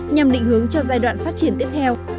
nhằm định hướng cho giai đoạn phát triển tiếp theo